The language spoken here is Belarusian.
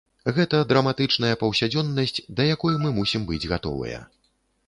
Гэта драматычная паўсядзённасць, да якой мы мусім быць гатовыя.